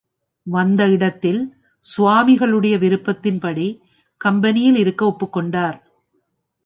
வந்த இடத்தில் சுவாமிகளுடைய விருப்பத்தின்படி கம்பெனியில் இருக்க ஒப்புக்கொண்டார்.